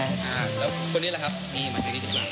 แล้วคนนี้ล่ะครับนี่มาตรวจเบาหวาน